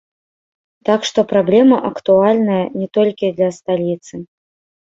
Так што, праблема актуальная не толькі для сталіцы.